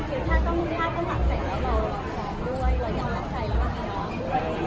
เพราะว่าเขาไม่ได้ว่าตัวเองแล้วเขาต้องเป็นส่วน